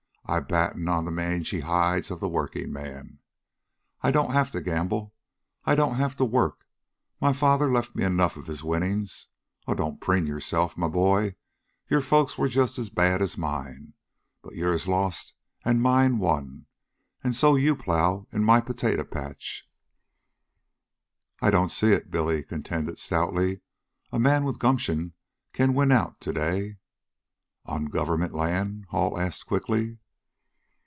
I batten on the mangy hides of the workingmen. I don't have to gamble. I don't have to work. My father left me enough of his winnings. Oh, don't preen yourself, my boy. Your folks were just as bad as mine. But yours lost, and mine won, and so you plow in my potato patch." "I don't see it," Billy contended stoutly. "A man with gumption can win out to day " "On government land?" Hall asked quickly.